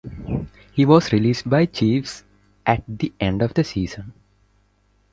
He was released by Chiefs at the end of the season.